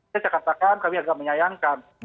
saya katakan kami agak menyayangkan